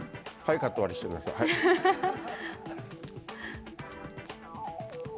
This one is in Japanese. カット割りしてください。